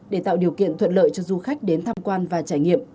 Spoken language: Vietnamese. để tạo điều kiện thuận lợi cho du khách đến tham quan và trải nghiệm